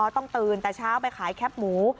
ต้องตื่นแต่เช้าไปขายแคปหมู